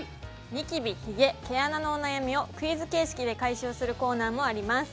ニキビ、ひげ、毛穴のお悩みを、クイズ形式で解消するコーナーもあります。